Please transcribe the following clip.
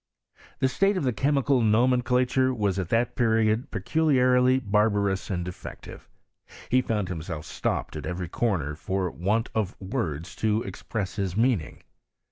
The state of the chemical nomenclature was at that period peculiarly barbarous and defective. He found himself stopped at every corner for want of words to express his meaning.